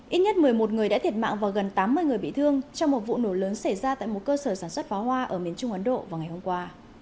ít nhất một mươi một người đã thiệt mạng và gần tám mươi người bị thương trong một vụ nổ lớn xảy ra tại một cơ sở sản xuất pháo hoa ở miền trung ấn độ vào ngày hôm qua